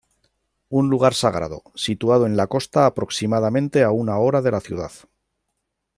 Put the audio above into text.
Un lugar sagrado, situado en la costa aproximadamente a una hora de la ciudad.